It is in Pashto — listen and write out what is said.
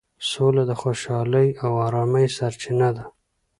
سوله د خوشحالۍ او ارامۍ سرچینه ده.